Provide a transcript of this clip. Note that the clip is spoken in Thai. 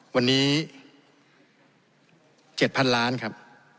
วันนี้๗๐๐ล้านครับ